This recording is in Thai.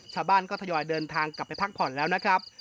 ชาวบ้านก็ทยอยเดินทางกลับไปพักผ่อนแล้วนะครับ